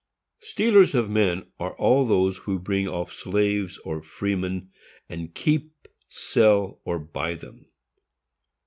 _ Stealers of men are all those who bring off slaves or freemen, and KEEP, SELL, or BUY THEM.